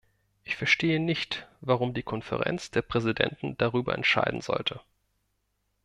Ich verstehe nicht, warum die Konferenz der Präsidenten darüber entscheiden sollte.